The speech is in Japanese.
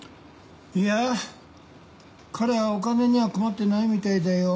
いや彼はお金には困ってないみたいだよ。